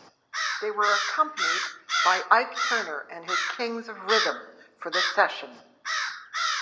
They were accompanied by Ike Turner and his Kings of Rhythm for the session.